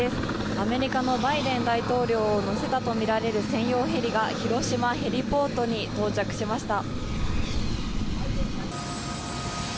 アメリカのバイデン大統領を乗せたとみられる専用ヘリが広島ヘリポートに到着しました。